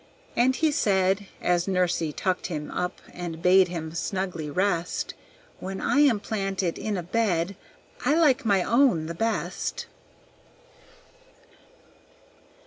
And he said, as Nursey tucked him up and bade him snugly rest, "When I am planted in a bed, I like my own the best."